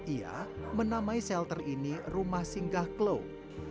ia menamai shelter ini rumah singgah klop